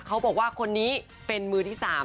เขาบอกว่าคนนี้เป็นมือที่๓